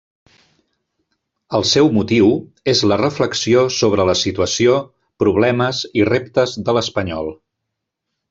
El seu motiu és la reflexió sobre la situació, problemes i reptes de l'espanyol.